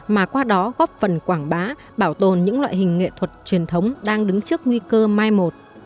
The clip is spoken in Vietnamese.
mà qua đó góp phần quảng bá bảo tồn những loại hình nghệ thuật truyền thống đang đứng trước nguy cơ mai một